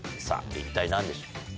さぁ一体何でしょう？